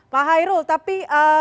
pak hairul tapi